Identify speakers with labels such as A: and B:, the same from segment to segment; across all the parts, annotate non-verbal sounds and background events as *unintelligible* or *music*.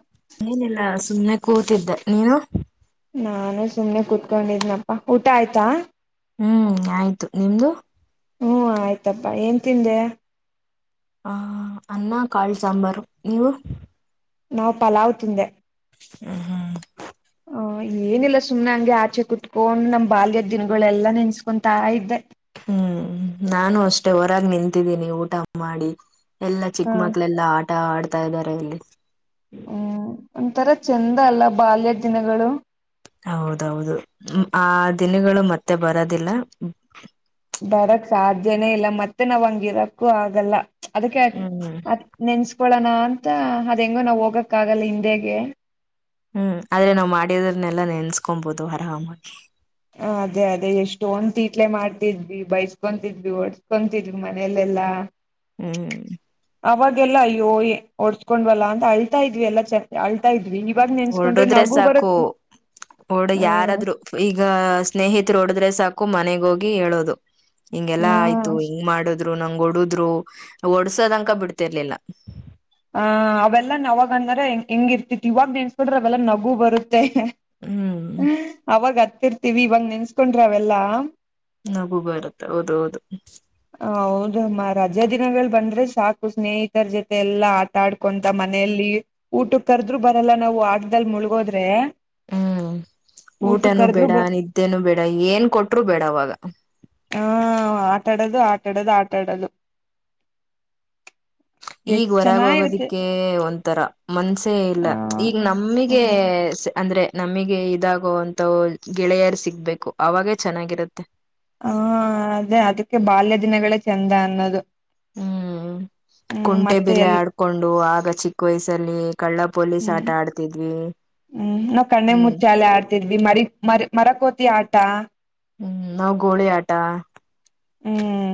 A: *unintelligible*
B: ಏನಲ್ಲಾ ಸುಮ್ಮ್ನೆ ಕೂತಿದ್ದೆ ನೀನು
A: ನಾನು ಸುಮ್ನೆ ಕುೂತ್ಕೊಂಡಿದ್ನಪ್ಪಾ ಊಟ ಆಯ್ತಾ
B: ಹ್ಮ್ ಆಯ್ತು ನಿಮ್ದು
A: ಹ್ಮ್ ಆಯ್ತಪ್ಪಾ ಏನ್ ತಿಂದೆ
B: ಆ ಅನ್ನ ಕಾಳು ಸಾಂಬಾರು ನೀವು
A: ನಾವ್ ಪಲಾವ್ ತಿಂದೆ
B: ಹ ಹಾ
A: ಹ ಏನಿಲ್ಲ ಸುಮ್ನೆ ಹಂಗೆ ಆಚೆ ಕುತ್ಕೊಂಡ್ ನಮ್ ಬಾಲ್ಯದ ದಿನಗಳೆಲ್ಲಾ ನೆನ್ಸ್ಕೊತಾ ಇದ್ದೆ
B: ಹ್ಮ್ ನಾನು ಅಷ್ಟೇ ಹೊರಾಗ ನಿಂತಿದ್ದೀನಿ ಊಟ ಮಾಡಿ ಎಲ್ಲಾ
A: ಹಾ
B: ಚಿಕ್ಕ ಮಕ್ಳ ಎಲ್ಲಾ ಆಟ ಆಡ್ತಾ ಇದ್ದಾರೆ ಇಲ್ಲಿ
A: ಹ್ಮ್ ಒಂಥರ ಚಂದ ಅಲ್ಲ ಬಾಲ್ಯದ ದಿನಗಳು
B: ಹೌದೌದು ಆ ದಿನಗಳು ಮತ್ತೆ ಬರೋದಿಲ್ಲ
A: ಬರಕ್ ಸಾಧ್ಯನೇ ಇಲ್ಲ ಮತ್ತೆ ನಾವ್ ಹಂಗಿರಕ್ಕೂ ಆಗಲ್ಲ ಅದಕ್ಕೆ
B: ಹ್ಮ್
A: ನೆನ್ಸ್ಕೊಳೋಣ ಅಂತ ಅದ ಹೆಂಗೋ ನಾವ್ ಹೋಗಕ್ ಆಗಲ್ಲ ಹಿಂದೇಗೆ
B: ಹ್ಮ್ ಆದ್ರೆ ನಾವ್ ಮಾಡಿದ್ರನ್ನೆಲ್ಲಾ ನೆನ್ಸ್ಕೊಬಹುದು ಆರಹಾಮಿ
A: ಅದೇ ಅದೇ ಎಷ್ಟು ಒಂದ ತೀಟ್ಲೆ ಮಾಡ್ತಿದ್ವಿ ಬೈಸ್ಕೊತಿದ್ವಿ ಒಡ್ಸ್ಕೊವಿ ತಿರ್ಗ ಮನೆಯಲ್ಲೆಲ್ಲಾ
B: ಹ್ಮ್
A: ಅವಾಗೆಲ್ಲ ಅಯ್ಯಯ ಒಡ್ಸ್ಕೊಂಡ್ ಬಲ್ಲಾ ಅಂತ ಅಳ್ತಾ ಇದ್ವಿ ಎಲ್ಲ ಚ ಆಳ್ತಾ ಇದ್ವಿ ಇವಾಗ ನೆನ್ಸ್ಕೊಂಡ್ರೆ
B: ಹೊರಡುದ್ರೆ
A: ನಗು
B: ಸಾಕು
A: ಬರುತ್ತೆ
B: ಓಡ
A: ಹ್ಮ್
B: ಯಾರಾದ್ರು ಈಗ ಸ್ನೇಹಿಿತರು ಹೊಡದ್ರೆ ಸಾಕು ಮನೆಗೋಗಿ ಹೇಳೋದು ಹಿಂಗೆಲ್ಲಾ
A: ಹ್ಮ್
B: ಆಯ್ತು ಹಿಂಗ್ ಮಾಡುದ್ರು ನಂಗ ಒಡುದ್ರು ಓಡ್ಸೋದಂಕ ಬಿಡ್ತಿರ್ಲಿಲ್ಲ
A: ಆ ಅವೆಲ್ಲ ನವಾಗ ಅಂದ್ರ ಹೆಂಗ ಇರ್ತಿ ಇವಾಗ ನೆನ್ಸ್ಕೊಂಡ್ರೆ ಅವೆಲ್ಲಾ ನಗು ಬರುತ್ತ
B: ಹ್ಮ್
A: ಅವಾಗ ಹತ್ತಿರ್ತಿೀವಿ ಇವಾಗ ನೆನ್ಸ್ಕೊಂಡ್ರಿ ಅವೆಲ್ಲಾ
B: ನಗು ಬರುತ್ತೆ ಹೌದ ಹೌದು
A: ಹೌದಮ್ಮ ರಜೆಾ ದಿನಗಳು ಬಂದ್ರೆ ಸಾಕು ಸ್ನೇಹಿತರ ಜೊತೆ ಎಲ್ಲಾ ಆ ಆಡ್ಕೊಂತ ಮನೆಯಲ್ಲಿ ಊಟ ಕರ್ದ್ರರು ಬರಲ್ಲ ನಾವು ಆಟದಲ್ಲಿ ಮುಳಗೋದ್ರೆ
B: ಹ್ಮ್ ಊಟನೂ ಬೇಡ
A: ಬ
B: ನಿದ್ದೆನು ಬೇಡ ಏನ್ ಕೊಟರು ಬೇಡ ಅವಾಗ
A: ಹಾ ಆಟಾಡೋದು ಆಟಾಡೋದು ಆಟ ಆಡದು
B: ಈಗ
A: ಎಷ್ಟ್
B: ಹೊರಗ
A: ಚೆನ್ನಾಗಿರುತ್ತೆ
B: ಹೋಗೋದಿಕ್ಕೆ ಎ ಒಂಥರ ಮನ್ಸೇ ಇಲ್ಲ.
A: ಹ
B: ಈಗ ನಮಿಗೆ
A: ಹ್ಮ್
B: ಅಂದ್ರೆ, ನಮಗೆ ಇದಾಗೋ ಅಂಥ ಗೆಳೆಯರು ಸಿಗ್ಬೇಕು ಅವಾಗೇ ಚೆನ್ನಾಗಿರತ್ತೆ.
A: ಹ ಅದೇ ಅದಕ್ಕೆ ಬಾಲ್ಯ ದಿನಗಳೇ ಚಂದ ಅನ್ನೋದು.
B: ಹ್ಮ್.
A: ಹ್ಮ್
B: ಕುಂಟೆ
A: ಮತ್ತೆ
B: ಬೆಲೆೆ
A: ಎಲ್
B: ಆಡ್ಕೊಂಡು, ಆಗ ಚಿಕ್ಕ ವಯಸ್ಸಲ್ಲಿ ಕಳ್ಳ ಪೊಲೀಸ್ ಆಟ ಆಡ್ತಿದ್ವಿ. *inaudible*
A: ಹ್ಮ ಕಣ್ಣೆ
B: ಹ್ಮ್
A: ಮುಚ್ಚೆ ತಿದ್ವಿ ಮರಿ ರ್ ಮರಕೋತಿ ಆಟ.
B: ಹ್ಮ್ ನಾವು ಗೋಳಿ ಆಟ.
A: ಹ್ಮ್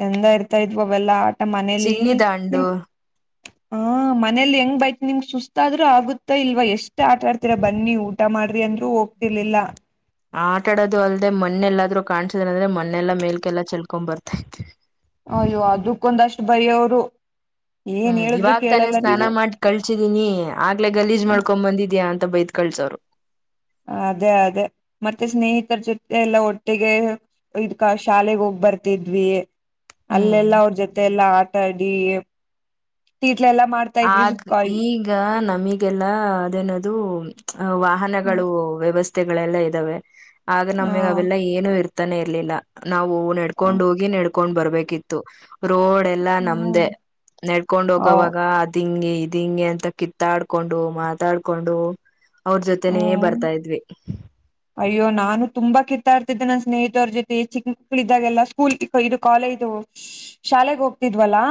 A: ಚಂದ ಇರ್ತಾ ಇದ್ವ ಅವೆಲ್ಲಾ ಆ ಟ ನಮ್ಮ ಮನೇಲಿ
B: ಚಿನ್ನಿ ದಾಂಡು
A: ನಿಮ್ ಹಾ ಮನೇಲಿ ಹೆಂಗ್ ಬೈತ್ ನಿಮ್ಗ್ ಸುಸ್ತಾದ್ರೂ ಆಗುತ್ತ ಇಲ್ವಾ. ಎಷ್ಟ್ ಆಟ ಆಡ್ ತ್ರ ಬನ್ನಿ ಊಟ ಮಾಡ್ರಿ ಅಂದ್ರು ಹೋಗ್ತಿರ್ಲಿಲ್ಲ.
B: ಆಟ ಆಡೋದು ಅಲ್ದೆ ಮಣ್ಣೆಲ್ಲಾದ್ರೂ ಕಾಣ್ಸಿದ ಅಂದ್ರೆ ಮನೆೆಲ್ಲ ಮೇಲ್ಕೆಲ್ಲ ಚೆಲ್ಕೊಂಡ್ ಬರ್ತೈದ್ವಿ.
A: ಅಯ್ಯೋ ಅದಕ್ಕೊಂದಷ್ಟು ಬಯ್ಯೋವ್ರು.
B: ಹ್ಮ್ ಇವಾಗ ತಾನೇ ಸ್ನಾನ ಮಾಡಿ. ಕಳ್ಸಿದೀನಿ ಹಾಗ್ಲೇ ಗಲೀಜ್
A: ಹ್ಮ್
B: ಮಾಡ್ಕೊಂಡ್ ಬಂದಿದ್ಯಾ ಅಂತ ಬೈದ್ ಕಳ್ಸೋರು.
A: ಅದೇ ಅದೇ ಮತ್ತೆ ಸ್ನೇಹಿತರ ಜೊತೆ ಎಲ್ಲ ಒಟ್ಟಿಗೆ, ಇದ್ಕ ಶಾಲೆೆಗೆ ಹೋಗ್ ಬರ್ತಿದ್ವಿ.
B: ಹ್ಮ್
A: ಅಲ್ಲೆಲ್ಲ ಅವ್ರ ಜೊತೆ ಎಲ್ಲಾ ಆಟಾಡಿ, ತೀಟ್ಲೆ ಎಲ್ಲ ಮಾಡ್ತ
B: ಆಗ್ ಈಗ ನಮಗೆಲ್ಲಾ ಅದೇನದು ವಾಹ ನಗಳು ವ್ಯವಸ್ಥೆಗಳೆಲ್ಲ ಇದ್ದಾವೆ ಆಗ
A: ಹ
B: ನಮಗ್ ಅವೆಲ್ಲಾ ಏನು ಇರ್ತಾನೆ ಇರ್ಲಿಲ್ಲ. ನಾವು
A: ಹ್ಮ್
B: ನಡ್ಕೊಂಡೋಗಿ ನೆಡ್ಕೊಂಡ್ ಬರ್ಬೇಕಿತ್ತು. ರೋಡ್ ಎಲ್ಲಾ
A: ಹ್ಮ್
B: ನಮ್ದೇ. ನೆಡ್ಕೊಂಡ್ ಹೋಗವಾಗ, ಇದಿಂಗೆ ಇದಿಂಗೆ ಅಂತ ಕಿತ್ತಾಡ್ಕೊಂಡು ಮಾತಾಡ್ಕೊಂಡು. ಅವ್ರ ಜೊತೆನೇ ಬರ್ತಾ ಇದ್ವಿ..
A: ಅಯ್ಯೋ ನಾನು ತುಂಬಾ ಕಿತ್ತಾಡ್ತಿದ್ದೆ ನನ್ನ ಸ್ನೇಹಿತವ್ರ ಜೊತೆ ಚಿಕ್ಕ ಮಕ್ಳ ಇದ್ದಾಗೆಲ್ಲ ಸ್ಕೂಲ್ ಇದು ಕಾಲೈದು. ಶಾಲೆಗೆ ಹೋಗ್ತಿದ್ವಲ್ಲಾ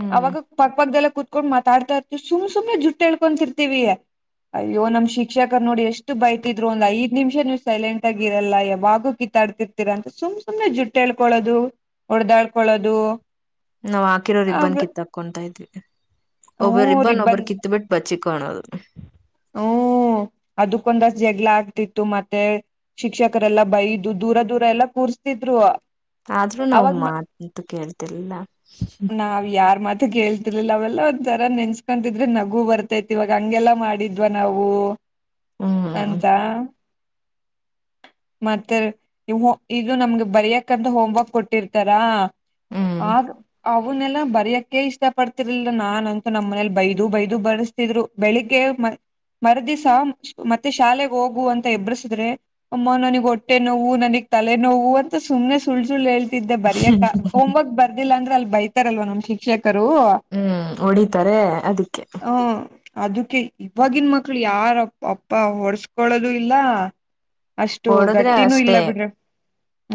B: ಹ್ಮ್
A: ಅವಾಗ ಪಕ್ಕದಲ್ಲೇ ಕೂತ್ ಕೊಂಡ್ ಮಾತಾಡ್ತಾ ಇರ್ತಿವಿ ಸುಮ್ ಸುಮ್ಮನೆ ಜುಟ್ಟು ಹೇಳ್ಕೊಂತರ್ತಿವಿ. ಅಯ್ಯೋ ನಮ್ ಶಿಕ್ಷಕರ್ ನೋಡಿ ಎಷ್ಟು ಎಷ್ಟು ಬೈತಿದ್ರು. ಒಂದೈದ್ ಹತ್ ನಿಮಿಷ ನೀವು ಸೈಲೆಂಟ್ ಆಗಿರಲ್ಲ ಯಾವಾಗೂ ಕಿತ್ತಾಡ್ತಿರ್ತರ ಅಂತ ಸುಮ್ ಸುಮ್ನೆ ಜುಟ್ಟ ಹೇಳ್ಕೊಳೋದು. ಹೊಡ್ದಾಡ್ಕೊಳ್ಳೋದು.
B: ನಾವ್ ಹಾಕಿರೋ ರಿಬ್ಬನ್ ಕಿತ್ತ ಹಾಕೊತಾ ಇದ್ವಿ. ಒಬ್ಬ
A: ಹ್ಮ
B: ರಿಬನ್
A: ರಿಬ್ಬನ್
B: ಒಬ್ಬರ್ ಕಿತ್ ಬಿಟ್ಟ, ಬಚ್ಚಿಕಣೋದು. *inaudible*
A: ಅದಕ್ಕೊಂದಷ್ಟ ಜಗ್ಲ ಆಗ್ತಿತ್ತು. ಮತ್ತೆ, ಶಿಕ್ಷಕರೆಲ್ಲಾ ಬೈದು ದೂರ ದೂರ ಎಲ್ಲಾ ಕೂರ್ಸ್ತಿದ್ರು.
B: ಆದ್ರೂ ನಾವು
A: ಅವಾಗ
B: ಮಾತಂತು ಕೇಳ್ತಿರ್ಲಿಲ್ಲ.
A: ವ್ ಯಾರ್ ಮತ ಕೇಳ್ತ ತಿರಲಿಲ್ಲ ಅವೆಲ್ಲಾ ಒಂದ್ ತರ ನೆನ್ಸ್ಕೊಂತಿದ್ರೆ ನಗು ಬರ್ತೈತಿ ಇವಾಗ ಹಂಗೆಲ್ಲಾ ಮಾಡಿದ್ವ ನಾವು.
B: ಹ್ಮ್
A: ಅಂತ. ಮತ್ತೆ ಇವ್ವು ಇದು ನಮ್ಗೆ ಬರಿಯಕಂತ ಹೋಮ್ವರ್ಕ್ ಕೊಟ್ಟಿರ್ತಾರಾ.
B: ಹ್ಮ್
A: ಆಗ ಅವನ್ನೆಲ್ಲ ಬರಯಕೆ ಇಷ್ಟ ಪಡ್ತಿರ್ಲಿಲ್ಲ. ನಾನ ಅಂತೂ ನಮ್ಮನೇಲಿ ಬೈದು ಬೈದು ಬರ್ ದ್ರು ಬೆಳಿಗ್ಗೆ ಮರದಿಸ ಮತ್ತೆ ಶಾಲೆಗೆ ಹೋಗು ಅಂತ ಎಬ್ಬ್ರಸಿದ್ರೆ, ಅಮ್ಮ ನನಗ್ ಹೊಟ್ಟೆ ನೋವು ನನಗ್ ತಲೆ ನೋವು ಅಂತ ಸುಮ್ಮನೆ ಸುಳ್ ಸುಳ್ಳ ಹೇಳ್ತ ಹೇಳ್ತಿದ್ದೆ ಬರಿಯಕ ಆಗ ಹೋಮ್ ವರ್ಕ್ ಬರ್ದಿಲ್ಲ ಅಂದ್ರೆ ಅಲ್ಲಿ ಬೈತಾರಲ್ವಾ ನಮ್ ಶಿಕ್ಷಕರು
B: ಹ್ಮ್ ಹೊಡಿತಾರೆ ಅದಕ್ಕೆ
A: ಹ ಅದಕ್ಕೆ ಇವಾಗಿನ ಮಕ್ಳು ಯಾರಪ್ಪ ಅಪ್ಪ ಹೊಡಸ್ಕೊಳ್ಳದು ಇಲ್ಲ ಅಷ್ಟು
B: ಹೊಡದ್ರೆ
A: ಗಟ್ಟಿನೂ ಇಲ್ಲ
B: ಅಷ್ಟೇ
A: ಬಿಡ್ರಿ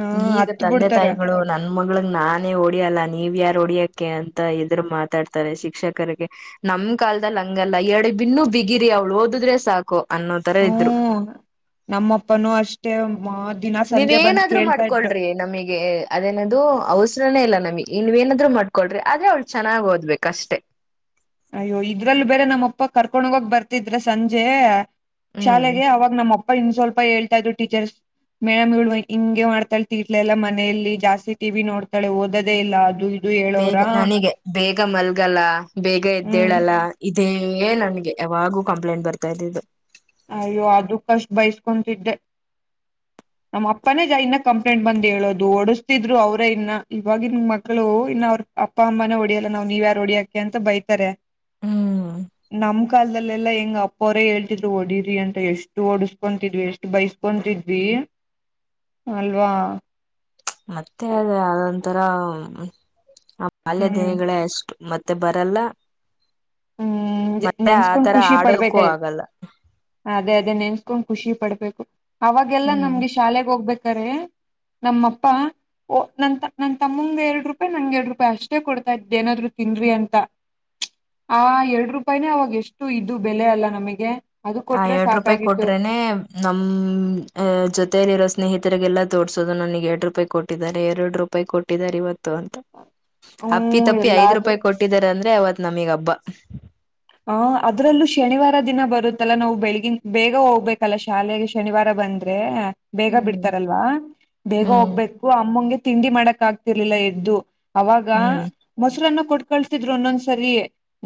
A: ಹ
B: ಈಗ
A: ಹತ್
B: ತಂದೆ
A: ಬಿಡ್ತಾರ
B: ತಾಯಿಗಳು ನನ್ ಮಗಳನ್ನ ನಾನೇ ಹೊಡಿಯಲ್ಲ ನೀವ ಯಾರು ಹೊಡಿಯಕ್ಕೆ ಅಂತ ಎದರು ಮಾತಾಡ್ತಾರೆ ಶಿಕ್ಷಕರಿಗೆ. ನಮ ಕಾಲ್ದಲ್ಲಿ ಹಂಗಲ್ಲ ಎರಡು ಇನ್ನು ಬಿಗಿರಿ ಅವ್ಳು ಓದಿದ್ರೆ ಸಾಕು ಅನ್ನೋ ತರ ಇದ್ರು.
A: ಹ್ಮ ನಮ್ಮಪ್ಪನೂ ಅಷ್ಟೇ ಮಾ ದಿನ ಸಂಜೆ ಬಂದ್
B: ನೀವೇನಾದ್ರು
A: ಕೇಳ್ತಾ ಇದ್ರು
B: ಮಾಡ್ಕೊಳ್ರಿ ನಮಗೆ ಅದೇನದು ಅವಸರನೇ ಇಲ್ಲ ನಮಗೆ ಇ ನೀವೇಏನಾದ್ರು ಮಾಡ್ಕೊಳ್ರಿ ಆದ್ರೆ ಅವ್ಳ ಚೆನ್ನಾಗಿ ಓದ್ಬೇಕ ಅಷ್ಟೇ.
A: ಅಯ್ಯೋ ಇದ್ರಲ್ಲ ಬೇರೆ ನಮ್ಮಪ್ಪ ಕರ್ಕೊಂಡ ಹೋಗಕ್ ಬರ್ತಿದ್ರ ಸಂಜೆ
B: ಹ್ಮ್
A: ಶಾಲೆಗೆ ಅವಾಗ ನಮ್ಮ ಅಪ್ಪ ಇನ್ ಸ್ವಲ್ಪ ಹೇಳ್ತಾ ಇದ್ರು ಟೀಚರ್ಸ್. ಮೇಡಮ್ ಇವಳ ಹಿಂಗೆ ಮಾಡ್ತಾಳೆ ತೀಟ್ಲಲ್ಲ ಮನೆಯಲ್ಲಿ ಜಾಸ್ತಿ ಟಿವಿ ನೋತಾಳ ಓದೋದೇ ಇಲ್ಲ ಅದು ಇದು.
B: ಬೇಗ
A: ಹೇಳೋರ
B: ನನಗೆ ಬೇಗ ಮಲ್ಗಲ್ಲ ಬೇಗ
A: ಹ್ಮ್
B: ಎದ್ದೇಳಲ್ಲ ಇದೇ ನನ್ಗೆ. ಯಾವಾಗೂ ಕಂಪ್ಲೇಂಟ್ ಬರ್ತಾ ಇದಿದ್ದು.
A: ಅಯ್ಯೋ ಅದಕ್ಕಷ್ಟು ಬೈಯಸ್ಕೊತಿದ್ದೆ.
B: *inaudible*
A: ನಮ್ಮ ಅಪ್ಪನೇ ಈಗ ಇನ್ನ ಕಂಪ್ಲೇಂಟ್ ಬಂದು ಹೇಳೋದು ಓಡಸ್ತಿದ್ರು ಅವ್ರೇ ಇನ್ನ ಇವಾಗಿನ್ ಮಕ್ಳು ಇನ್ನ ಅವ್ರರು. ಅಪ್ಪ ಅಮ್ಮನೇ ಹೊಡಿಯಲ್ಲ ನಾವ್ ನೀವ ಯಾರ ಹೊಡಿಯಾಕೆ ಅಂತ ಬೈತಾರೆ.
B: ಹಮ್.
A: ನಮ್ ಕಾಲ್ದಲ್ಲೆಲ್ಲ ಹೆಂಗ ಅಪ್ಪ ಅವರೇ ಹೇಳ್ತಿದ್ರು. ಹೊಡರಿ ಅಂತ ಎಷ್ಟು ಒಡಸ್ಕೊತಿದ್ವಿ ಎಷ್ಟು ಬೈಸ್ಕೊತಿದ್ವಿ ಅಲ್ವಾ.
B: ಮತ್ತೆ ಅದ ಆದಂತರ ಅಲ್ಲೇ
A: ಹ್ಮ್
B: ದಯಗಳೇ ಎಷ್ಟು ಮತ್ತ. ಮತ್ತೆ ಬರಲ್ಲ
A: ಹ್ಮ್
B: ಮತ್ತೆ
A: ನೆನ್ಸ್ಕೊಂಡ್
B: ಆತರ
A: ಖುಷಿ
B: ಆಡೋದಕ್ಕೂ
A: ಪಡ್ಬೇಕಾಯ್
B: ಆಗಲ್ಲ.
A: ಅದೇ ಅದೇ ನೆನ್ಸ್ಕೊಂಡ್ ಖುಷಿ ಪಡ್ಬೇಕು ಅವಾಗೆಲ್ಲಾ
B: ಹ್ಮ್
A: ನಮ್ಗೆ ಶಾಲೆೆಗೆ ಹೋಗ್ಬೇಕರೆ. ನಮ್ಮಪ್ಪ. ಓ ನನ್ನ ನನ್ ತಮ್ಮಂಗ ಎರಡ್ ರೂಪಾಯಿ ನಂಗ ಎರಡ ರೂಪಾಯಿ ಅಷ್ಟೇ ಕೊಡ್ತಾ ಇದ್ದ ಏನಾದ್ರು ತಿನ್ನರಿ ಅಂತ. ಆ ಎರಡು ರೂಪಾಯಿನೇ ಅವಾಗ ಎಷ್ಟು ಇದು ಬೆಲೆ ಅಲ್ಲ ನಮಗೆ. ಅದು
B: ಆ
A: ಕೊಟ್ರೆ
B: ಎರಡ ರೂಪಾಯಿ
A: ಸಾಕಾಗಿತ್ತು
B: ಕೊಟ್ರೇನೆ. ನಮ್ಮ ಜೊತಲಿರೋ ಸ್ನೇಹಿತರಿಗೆಲ್ಲಾ ತೋರ್ಸೋದು ನನಗೆ ಎರಡು ರೂಪಾಯಿ ಕೊಟ್ಟಿದ್ದಾರೆ ಎರಡು ರೂಪಾಯಿ ಕೊಟ್ಟ. ಟ್ಟಿದ್ದಾರೆ ಇವರ. ಅಂತತೆ ಅಪ್ಪಿ
A: ಹ್ಮ್
B: ತಪ್ಪಿ ಐದ
A: ಎಲ್ಲಾದ್ರೂ
B: ರೂಪಾಯಿ ಕೊಟ್ಟಿದಾರೆ ಅಂದ್ರೆ ಅವತ ನಮಗ ಹಬ್ಬ.
A: ಹ ಅದ್ರಲ್ಲೂ ಶನಿವಾರ ದಿನ ಬರುತ್ತಲ್ಲಾ ನಾವು ಬೆಳಿಗನ್ ಬೇಗ ಹೋಗ್ಬೇಕಲ್ಲ ಶಾಲೆಯಲ್ಲಿ. ಶನಿವಾರ ಬಂದ್ರೆ ಬೇಗ
B: ಹ್ಮ್
A: ಬಿಡ್ತಾರಲ್ವಾ ಬೇಗ
B: ಹ್ಮ್
A: ಹೋಗ್ಬೇಕು ಅಮ್ಮಂಗೆ ತಿಂಡಿ ಮಾಡಕ್ ಆಗ್ತಿರ್ಲಿಲ್ಲ ಎದ್ದು. ಅವಾಗ ಮೊಸರನ್ನ ಕೊಟ್ಟ ಕಳಸತಿದ್ರು ಒಂದೊಂದು ಸರಿ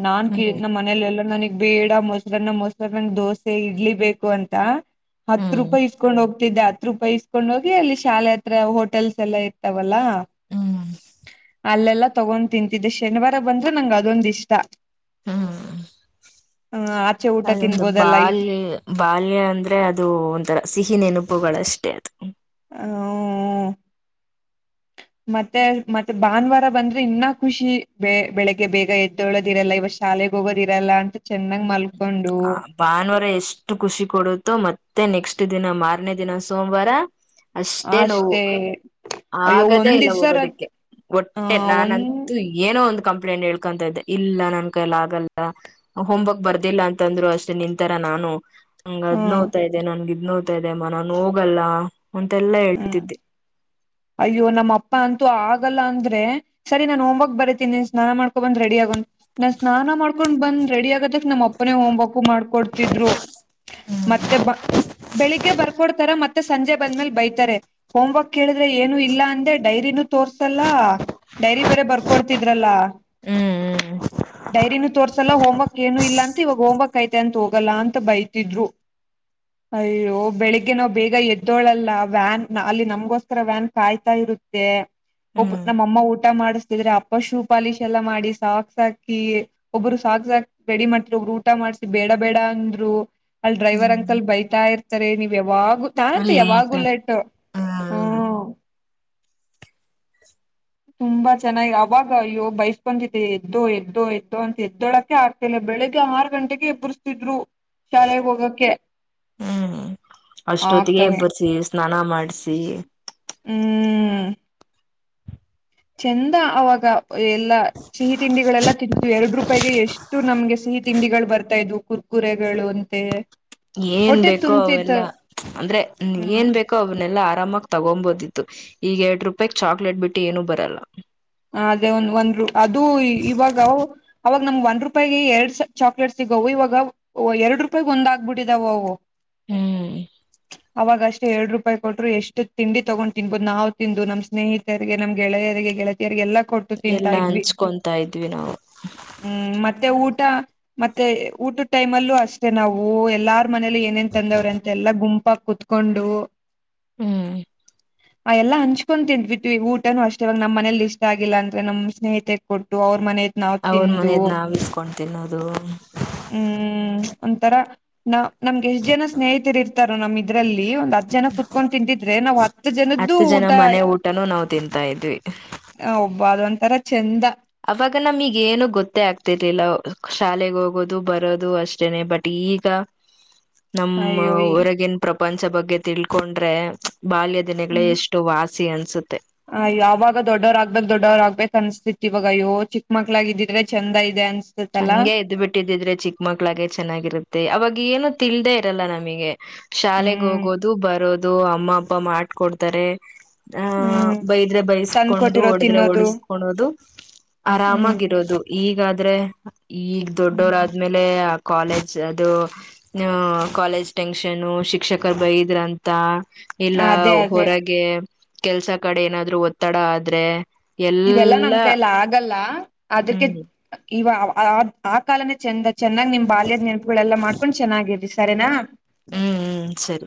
A: ನಾನ
B: ಹ್ಮ್
A: ಮನೇಲೆೆಲ್ಲಾ ನನಗ್ ಬೇಡ ಮೊಸರನ್ನ ಮೊಸರ ನನ್ ದೋಸೆ ಇಡ್ಲಿ ಬೇಕು ಅಂತ. ಹತ್ತು
B: ಹ್ಮ್
A: ರೂಪಾಯಿ ಇಸ ಇಸಕೊಂಡ್ ಹೋಗ್ತಿದ್ದೆ ಹತ್ರ ರೂಪಾಯಿಸ್ಕೊಂಡ್ ಹೋಗಿ ಅಲ್ಲಿ ಶಾಲೆ ಹತ್ರ ಹೋಟೆಲ್ಸ್ ಎಲ್ಲಾ ಇರ್ತವಲ್ಲಾ.
B: ಹ್ಮ್
A: ಅಲ್ಲೆಲ್ಲ ತಗೊಂಡ ತಿಂತಿದ್ದೆ ಶನಿವಾರ ಬಂದ್ರೆ ನಂಗ ಅದೊಂದ ಇಷ್ಟ.
B: ಹಮ್ ಹ.
A: ಹ್ಮ ಆಚೆ ಊಟ ತಿನ್ಬೋದಲ್ಲಾ.
B: ಬಾಲ್ಯ ಅಂದ್ರೆ ಅದು ಒಂಥರ ಸಿಹಿ ನೆನಪುಗಳಷ್ಟೇ ಅದು.
A: ಹ ಹೂ ಹೂ.
B: *unintelligible*
A: ಮತ್ತೆ ಮತ್ತೆ ಭಾನುವಾರ ಬಂದ್ರೆ ಇನ್ನ ಖುಷಿ ಬೆ ಬೆಳಿಗ್ಗೆ ಬೇಗ ಎದ್ದಳೊದ್ದಿರಲ್ಲ ಇವ್ ಶಾಲೆಗ್ ಹೊಗದ್ ಇರಲ್ಲ ಅಂತ ತೀರ ಚೆನ್ನಾಗ್ ಮಲ್
B: ಆ ಭಾನುವಾರ ಎಷ್ಟು ಖುಷಿ ಕೊಡುತ್ತೋ ಮತ್ತೆ ನೆಕ್ಸ್ಟ್ ದಿನ ಮಾರನೆ ದಿನ ಸೋಮವಾರ.
A: ಅಷ್ಟೇ ಅಯ್ಯೋ
B: ಆಗದೇ
A: ಒಂದ್
B: ಇಲ್ಲ
A: ದಿವ್ಸ ರ
B: ಹೋಗೋದಿಕ್ಕೆ
A: ಆ
B: ಹೊಟ್ಟೆ
A: ಒಂದ್
B: ನಾನಂತೂ ಏನೋ ಒಂದು ಕಂಪ್ಲೇಂಟ್ ಹೇಳ್ಕೊಂತ ಇದ್ದೆ ಇಲ್ಲ ನನ್ ಕೈಲ್ಲ ಆಗಲ್ಲ ಹೋಮ್ವರ್ಕ್ ಬರ್ದಿಲ್ಲ ಅಂ ತಂದ್ರು ಅಷ್ಟೇ ನಿಂತರ ನಾನು ನಂಗ್ ಅದ್
A: ಹ್ಮ್
B: ನೋವ್ತಾದೆ ನಂಗ್ ಇದ್ ನೋವ್ತಾದೆ ಗೊತ ಇದದೆಮ್ಮ ನಾನು ಹೋಗಲ್ಲ ಅಂತೆಲ್ಲಾ
A: ಹ್ಮ್
B: ಹೇಳ್ತಿದ್ದೆ.
A: ಅಯ್ಯೋ ನಮ್ಮ ಅಪ್ಪ ಅಂತೂ ಆಗಲ್ಲ ಅಂದ್ರೆ ಸರಿ ನಾನ್ ಹೋಮ್ವಕ್ ಬರೀತೀನಿ ನೀ ಸ್ನಾನ ಮಾಡ್ಕೊಬಂದ ರೆಡಿ ಆಗ್ ನಾನ್ ಸ್ನಾನ ಮಾಡ್ಕೊಂಡ್ ಬಂದ ರೆಡಿಗತ್ತ ನಮ್ಮ ಅಪ್ಪನೇ ಹೋಮ್ ವರ್ಕ್ ಮಾಡ್ಕೊಡ್ತಿದ್ರು ಮತ್ತೆ ಬ ಬೆಳಿಗ್ಗೆ ಬರ್ಕೊಡ್ತಾರ ಮತ್ತೆ ಸಂಜೆ ಬಂದ್ಮೇಲ್ ಬೈತ್- ಹೋಮ್ ವರ್ಕ್ ಕೇಳಿದ್ರೆ ಏನು ಇಲ್ಲ ಅಂದೆ ಡೈರಿನೂ ತೋರ್ಸಲ್ಲ ಡೈರಿ ಬೇರೆ ಬರ್ಕೊಡ್ತಿದ್ರಲ್ಲಾ
B: ಹ್ಮ್ ಹ್ಮ್
A: ಡೈರಿನು ತೋರ್ಸಲ್ಲ ಹೋಮವರ್ಕ್ ಏನು ಇಲ್ಲ ಅಂತ ಇವಾಗ ಹೋಮ್ವರ್ಕ್ ಐತೆ ಅಂತ ಹೋಗಲ್ಲ ಅಂತ ಬೈತಿದ್ರು ಅಯ್ಯೋ ಬೆಳಿಗ್ಗೆ ನಾವ್ ಬೇಗ ಎದ್ದೋಳಲ್ಲ ವ್ಯಾನ್ ಅಲ್ಲಿ ನಮಗೋಸ್ಕರ ವ್ಯಾನ್ ಕಾಯ್ತಾ ಇರುತ್ತೆ ಒಬ್
B: ಹ್ಮ್
A: ನಮ್ಮಮ್ಮ ಊಟ ಮಾಡಿಸತಿದ್ರೆ ಅಪ್ಪ ಶೂ ಪಾಲಿಶ್ ಎಲ್ಲಾ ಮಾಡಿ ಸಾಕ್ಸ್ ಹಾಕಿ ಒಬ್ರು ಸಾಕ್ಸ್ ಹಾಕಿ ರೆಡಿ ಮಾಡ್ತಿರ ಒಬ್ರು ಊಟ ಮಾಡ್ಸಿ ಬೇಡ ಬೇಡ ಅಂದ್ರು. ಅಲ್ ಡ್ರೈವರ್ ಅಂಕಲ್
B: ಹ್ಮ್
A: ಬೈತಾ ಇರ್ತಾರೆ ನೀವ್ ಯಾವಾಗ ನಾನಂತು ಯಾವಾಗು ಲೇಟ್ ಟ್
B: ಹ್ಮ್
A: ಹ್ಮ ತುಂಬಾ ಚೆನ್ನಾಗಿ ಅವಾಗ ಅಯ್ಯೊ ಬಯಸ್ಕೊಂತ್ತಿದ್ದೆ ಎದ್ದೋ ಎದ್ದೋ ಎದ್ದೋ ಅಂತ ಎದ್ದೊಳಕ್ಕೆ ಆ ಮೇ ಬೆಳಗ್ಗೆ ಆರ್ ಗಂಟೆಗೆ ಎಬ್ಬರಿಸ್ತಿದ್ರು ಶಾಲೆಗ್ ಹೋಗಕ್ಕೆ
B: ಹ್ಮ್ ಅಷ್ಟೊತ್ತಿಗೆ
A: ಆಗ್ತಾನೆ
B: ಎಬ್ಬರ್ಸಿ ಸ್ನಾನ ಮಾಡ್ಸಿ
A: ಹ್ಮ ಚೆಂದ ಅವಾಗ ಎಲ್ಲಾ ಸಿಹಿ ತಿಂಡಿಗಳೆಲ್ಲಾ ತಿಂತಿದ್ವಿ ಎರಡುರು ರೂಪಾಯ್ಗೆ ಎಷ್ಟು ನಮ್ಗೆ ಸಿಹಿ ತಿಂಡಿಗಳು ಬರ್ತಾ ಇದ್ವು ಕುರ್ಕುರೆಗಳು ಅಂತೆ.
B: ಏನ್
A: ಹೊಟ್ಟೆ
B: ಬೇಕೋ
A: ತುಂಬ್ತಿತ್ತು
B: ಅವೆಲ್ಲ ಅಂದ್ರೆ ಏನ್
A: ಹ್ಮ್
B: ಬೇಕು ಅವನ್ನನೆಲ್ಲಾ ಆರಾಮಾಗ ತಗೊಬೋದಿತ್ತು ಈಗ ಎರಡ್ ರೂಪಾಯಿ ಚಾಕ್ಲೇಟ್ ಬಿಟ್ಟ್ ಏನು ಬರಲ್ಲ
A: ಅದೇ ಒಂದ ಒಂದ್ ಅದು ಇವಾಗ ಅವಾಗ ನಮ್ಗ್ ಒಂದ್ ರೂಪಾಯಿಗೆ ಎರಡ್ ಚಾಕ್ಲೇಟ್ ಸಿಗವು ಇವಾಗ ಓ ಎರಡ್ ರೂಪಾಯಗ್ ಒಂದ್ ಆಗ್ಬಿಟ್ಟಿದಾವ್ ಅವು
B: ಹ್ಮ್
A: ಅವಾಗ ಅಷ್ಟೇ ಎರಡು ರೂಪಾಯಿ ಕೊಟ್ಟರು ಎಷ್ಟು ತಿಂಡಿ ತಗೊಂಡ್ ತಿನ್ಬಹದು ನಾವ್ ತಿಂದು ನಮ್ ಸ್ನೇಹಿತರಿಗೆ ನಮ್ ಗೆಳೆಯರಿಗೆ ಗೆಳತಿ ಯಾರ್ಗೆಲ್ಲ ಕೊಟ್
B: ಎಲ್ಲಾ ಹಂಚ್ಕೊಂತಾ ಇದ್ವಿ ನಾವು
A: ಹ್ಮ್ ಮತ್ತೆ ಊಟ ಮತ್ತೆ ಊಟುದ್ ಟೈಮ್ ಅಲ್ಲೂ ಅಷ್ಟೇ ನಾವು ಎಲ್ಲ ಅವ್ರ ಮನೇಲಿ ಏನೇನ್ ತಂದವ್ ಅಂತ ಎಲ್ಲಾ ಗುಂಪಾಗಿ ಕುತ್ಕೊಂಡು.
B: ಹ್ಮ್
A: ನಾವೆಲ್ಲ ಹಂಚ್ಕೊಂಡುಂತಿಂದ್ವಿವಿ ಊಟನೂ ಅಷ್ಟೇ ಇವಗ್ ನಮ್ಮ ಮನೇಲಿ ಇಷ್ಟ ಆಗಿಲ್ಲ ಅಂದ್ರೆ ನಮ್ ಸ್ನೇಹಿತೆ ಕೊಟ್ಟು ಅವ್ರ ಮನೆದ್ ನಾವ್
B: ಅವ್ರ
A: ತಿಂದು
B: ಮನೆದ್ ನಾವ್ ಇಸ್ಕೊಂಡ್ ತಿನ್ನೋದು
A: ಹ್ಮ್ ಒಂಥರ ನ ನಮ್ಗೆ ಎಷ್ಟ್ ಜನ ಸ್ನೇಹಿತರಿ ಇರ್ ತಾರ ನಮ್ ಇದ್ರಲ್ಲಿ ಒಂದ್ ಹತ್ ಜನ ಕುತ್ಕೊಂಡು ತಿಂದಿದ್ರೆ ನಾವ್ ಹತ್ತು ಜನದ್ದು ಊಟ
B: *unintelligible* ನಾವು ತಿಂತಾ ಇದ್ವಿ
A: ಹ ಒಬ್ಬ ಅದು ಒಂತರ ಚಂದ
B: ಅವಾಗ ನಮ ಈಗ ಏನು ಗೊತ್ತೇ ಆಗ್ತಿರ್ಲಿಲ್ಲ ಶಾಲೆೆಗೆ ಹೋಗೋದು ಬರೋದು ಅಷ್ಟೇನೆ ಬಟ್ ಈಗ *unintelligible* ನಮ್ಮ
A: ಅಯ್ಯೋ
B: ಹೊರಗಿನ ಪ್ರಪಂಚ ಬಗ್ಗೆ ತಿಳ್ಕೊಂಡ್ರೆ ಬಾಲ್ಯ ದಿನಗಳ ಎಷ್ಟು *unintelligible* ವಾಸಿ ಅನ್ಸುತ್ತೆ
A: ಹ ಯಾವಾಗ ದೊಡ್ಡವ್ರಾಗ್ಬೇಕು ದೊಡ್ಡವ್ರುಾಗಗ್ಬೇಕಕ್ ಅನ್ಸ್ತಿವಾಗಯ್ಯೋ ಚಿಕ್ ಮಕ್ಳಾಗ ಇದಿದ್ರೆ ಚಂದ ಇದೆ ಅನ್ಸ
B: ಹಂಗೆ ಎದ್ದ್ ಬಿಟ್ಟಿದ್ದಿದ್ರೆ ಚಿಕ್ಕ ಮಕ್ಳಾಗೆ ಚೆನ್ನಾಗಿರುತ್ತೆ ಅವಾಗ ಏನು ತಿಲ್ದೆೇ ಇರಲ್ಲ ನಮಗೆ ಶಾಲೆಗ್
A: ಹ್ಮ್
B: ಹೋಗೋದು ಬರೋದು ಅಮ್ಮ ಅಪ್ಪ ಮಾಡಕೊಡ್ತಾರೆ ಆಹ
A: ಹ್ಮ್
B: ಬೈದ್ರೆ
A: ಚಂದ್
B: ಬೈಸ್ಕೊಂಡು
A: ಕೊಟ್ಟಿರೋ
B: ಹೊಡದ್ರೆ
A: ತಿನ್ನೋದು
B: ಹೋಡಿಸ್ಕೊಳ್ಳೋದು
A: ಹ್ಮ್
B: ಆರಾಮಾಗಿರೋದು ಈಗಾದ್ರೆ ಈಗ ದೊಡ್ಡವರ ಲೆ ಕಾಲೇಜ್ ಅದು ಹ ಕಾಲೇಜ್ ಟೆನ್ಷನ್ನು ಶಿಕ್ಷಕರು ಬೈದ್ರಂತ ಇಲ್ಲ
A: ಅದೇ ಅದೇ
B: ಹೊರಗೆ ಕೆಲ್ಸ ಕಡೆ ಏನಾದ್ರು ಒತ್ತಡ ಆದ್ರೆ
A: ಇವೆಲ್ಲಾ ನಮ್
B: ಎಲ್ಲಾ
A: ಕೈಯಲ್ಲಿ ಆಗಲ್ಲ ಅದಕ್ಕೆ
B: ಹ್ಮ್ ಹ್ಮ್
A: ಇವ ಆ ಕಾಲನೇ ಚೆಂದ ಚೆನ್ನಾಗಿ ನಿಮ್ ಬಾಲ್ಯದ ನೆನಪುಗಳೆಲ್ಲ ಮಾಡ್ಕೊಂಡ್ ಚೆನ್ನಾಗಿರ್ರಿ ಸರಿನಾ
B: ಹ್ಮ್ ಹ್ಮ್ ಸರಿ